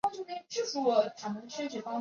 从不同角度去了解